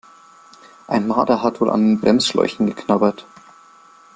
Ein Marder hat wohl an den Bremsschläuchen geknabbert.